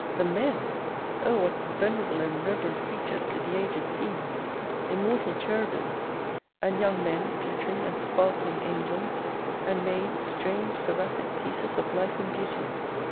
The Men ! O what venerable and revereni creatures did the aged seem ! Immortal Cherubims ! A.nd young men glittering and sparkling Angels, and mads strange seraphic pieces of life and beauty